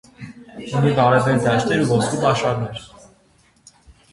Ունի բարեբեր դաշտեր ու ոսկու պաշարներ։